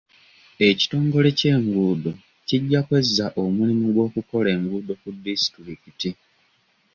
Ekitongole ky'enguudo kijja kwezza omulimu gw'okukola enguudo ku disitulikiti.